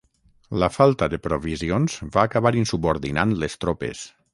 La falta de provisions va acabar insubordinant les tropes.